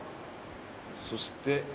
そして。